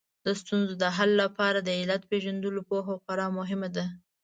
د ستونزو د حل لپاره د علت پېژندلو پوهه خورا مهمه ده